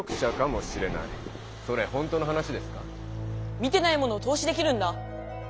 見てないものを透視できるんだ！